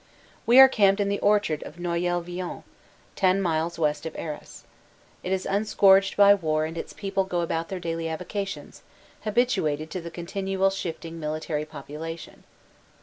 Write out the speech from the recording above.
.... We are camped in the orchard of Noyelle Vion, ten miles west of Arras. It is unscourged by war and its people go about their daily avocations, habituated to the continual shift ing military population.